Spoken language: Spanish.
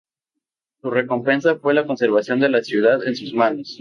Su recompensa fue la conservación de la ciudad en sus manos.